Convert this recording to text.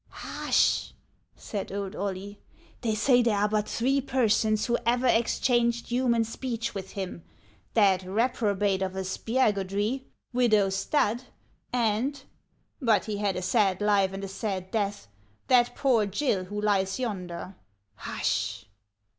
" Hush !" said old Oily ;" they say there are but three persons who ever exchanged human speech with him, — that reprobate of a Spiagudry, Widow Stadt, and — but he had a sad life and a sad death — that poor Gill, who lies yonder. Hush